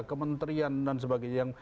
kementerian dan sebagainya